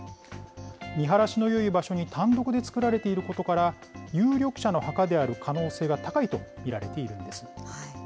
見晴らしのよい場所に単独で作られていることから、有力者の墓である可能性が高いと見られているんです。